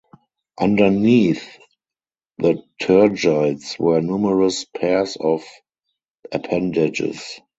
Underneath the tergites were numerous pairs of appendages.